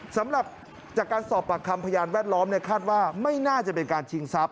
สำหรับจากการสอบปากคำพยานแวดล้อมคาดว่าไม่น่าจะเป็นการชิงทรัพย